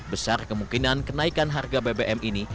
besar kemungkinan kenaikan harga bbm ini